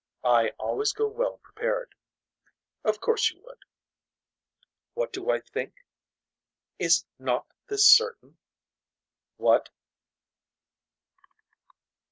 I always go well prepared. Of course you would. What do I think. Is not this certain. What.